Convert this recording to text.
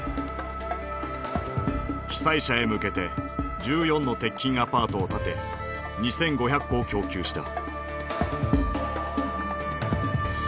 被災者へ向けて１４の鉄筋アパートを建て２，５００戸を供給した。